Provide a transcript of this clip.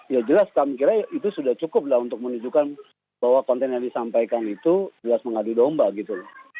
ya jelas kami kira itu sudah cukup lah untuk menunjukkan bahwa konten yang disampaikan itu jelas mengadu domba gitu loh